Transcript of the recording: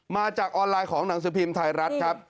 มาจากออนไลน์ของหนังสือพิมพ์ไทยรัฐครับ